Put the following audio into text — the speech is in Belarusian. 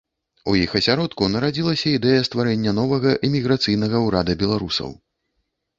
У іх асяродку нарадзілася ідэя стварэння новага эміграцыйнага ўрада беларусаў.